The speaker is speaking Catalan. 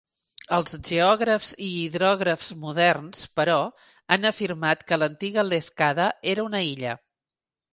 Els geògrafs i hidrògrafs moderns, però, han afirmat que l'antiga Lefkada era una illa.